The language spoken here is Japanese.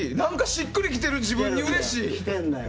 しっくりきてる自分にうれしい。